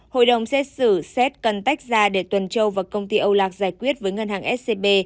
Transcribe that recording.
hội đồng xét xử xét cần tách ra để tuần châu và công ty âu lạc giải quyết với ngân hàng scb